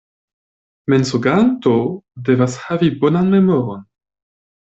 Mensoganto devas havi bonan memoron.